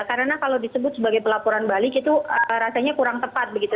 karena kalau disebut sebagai pelaporan balik itu rasanya kurang tepat begitu